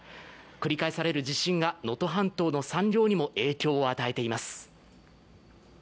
繰り返される地震が能登半島の産業にも影響を与えています。